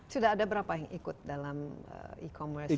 sudah ada berapa yang ikut dalam e commerce ini